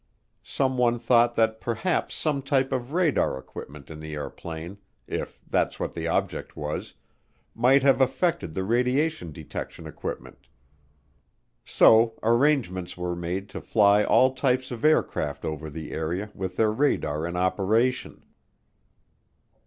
Someone thought that perhaps some type of radar equipment in the airplane, if that's what the object was, might have affected the radiation detection equipment. So arrangements were made to fly all types of aircraft over the area with their radar in operation.